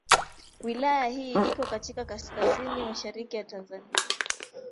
Wilaya hii iko katika kaskazini mashariki ya Tanzania.